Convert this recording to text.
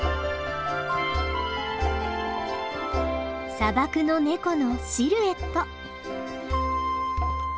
砂漠のネコのシルエット。